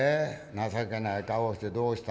情けない顔してどうした？